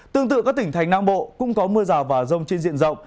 tương tự các tỉnh thành nam bộ cũng có mưa rào và rông trên diện rộng